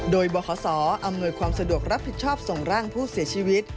โดยบขศอำนวยความสะดวกรับผิดชอบส่งร่างผู้เสียชีวิต